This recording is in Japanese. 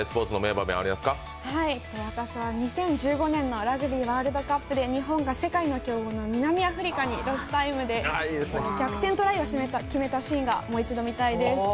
私は２０１５年のラグビーワールドカップで日本が世界の強豪の南アフリカにロスタイムで逆転トライを決めたシーンがもう一度見たいです。